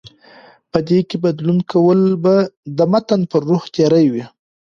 په دې کې بدلون کول به د متن پر روح تېری وي